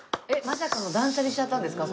まさかの断捨離しちゃったんですか？